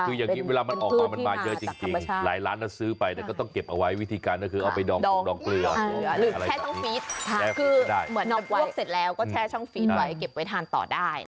คืออย่างนี้เวลามันออกมามันมาเยอะจริงหลายล้านซื้อไปแต่ก็ต้องเก็บเอาไว้วิธีการก็คือเอาไปดองผงดองเกลือหรือแช่ช่องฟีดคือเหมือนดอกเสร็จแล้วก็แช่ช่องฟีดไว้เก็บไว้ทานต่อได้